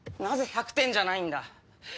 なぜ１００点じゃないんだ？